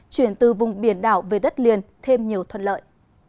chuyển từ vùng biển đảo về đất liền thêm nhiều thuận lợi